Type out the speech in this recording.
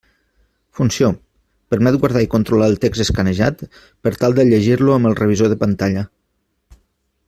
Funció: permet guardar i controlar el text escanejat per tal de llegir-lo amb revisor de pantalla.